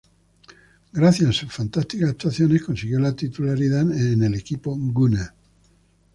Gracias a sus fantásticas actuaciones, consiguió la titularidad en el equipo "Gunner".